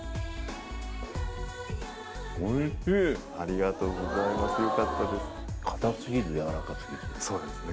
ありがとうございますよかったです。